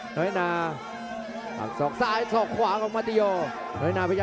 หน่วยนาปักศอกซ้ายศอกขวาของมาตี้ยอร์